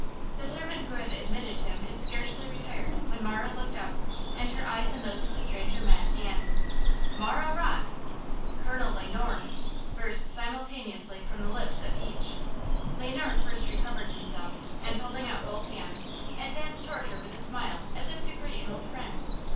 The servant who had admitted him had scarcely retired when Marah looked up and her eyes and those of the stranger met–and– "Marah Rocke!!!" "Colonel Le Noir!!!" Burst simultaneously from the lips of each. Le Noir first recovered himself, and, holding out both hands, advanced toward her with a smile as if to greet an old friend.